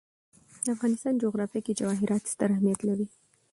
د افغانستان جغرافیه کې جواهرات ستر اهمیت لري.